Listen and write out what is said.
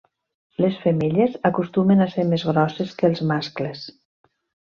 Les femelles acostumen a ser més grosses que els mascles.